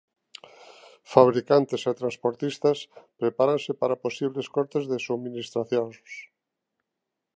Fabricantes e transportistas prepáranse para posibles cortes de subministracións.